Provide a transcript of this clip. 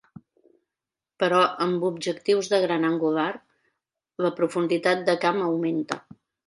Però amb objectius de gran angular, la profunditat de camp augmenta.